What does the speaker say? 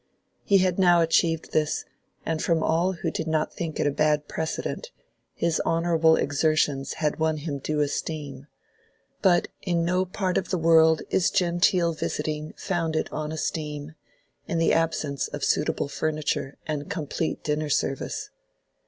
He had now achieved this, and from all who did not think it a bad precedent, his honorable exertions had won him due esteem; but in no part of the world is genteel visiting founded on esteem, in the absence of suitable furniture and complete dinner service.